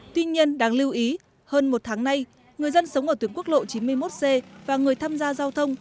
tuy nhiên đáng lưu ý hơn một tháng nay người dân sống ở tuyến quốc lộ chín mươi một c và người tham gia giao thông